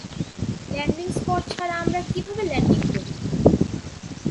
Landing spot ছাড়া আমরা কীভাবে ল্যান্ডিং করি?